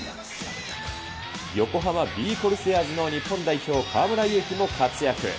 横浜ビー・コルセアーズの日本代表、河村勇輝も活躍。